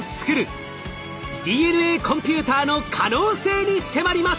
ＤＮＡコンピューターの可能性に迫ります！